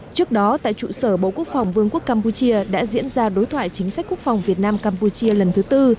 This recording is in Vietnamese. trước đó tại trụ sở bộ quốc phòng vương quốc campuchia đã diễn ra đối thoại chính sách quốc phòng việt nam campuchia lần thứ tư